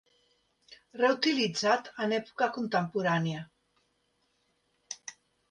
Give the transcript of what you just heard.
Reutilitzat en època contemporània.